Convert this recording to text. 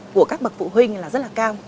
của các bậc phụ huynh là rất là cao